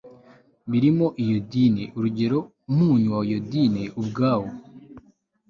birimo iodine, urugero umunyu wa iode ubwawo